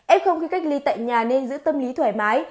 ép không khi cách ly tại nhà nên giữ tâm lý thoải mái